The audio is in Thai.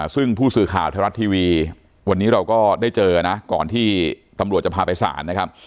ซึ่งผู้สื่อข่าวไทยรัฐทีวีวันนี้เราก็ได้เจอนะก่อนที่ตำรวจจะพาไปศาลนะครับ